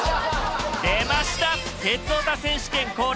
出ました！